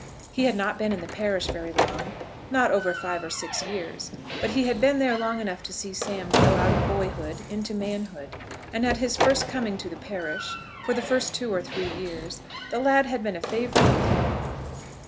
He had not been in the parish very long, not over five or six years, but he had been there long enough to see Sam grow out of boyhood into manhood; and at his first coming to the parish, for the first two or three years, the lad had been a favourite with him.